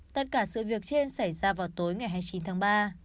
tất cả sự việc trên xảy ra vào tối ngày hai mươi chín tháng ba